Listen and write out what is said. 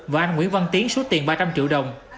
và anh nguyễn văn tiến số tiền ba trăm linh triệu đồng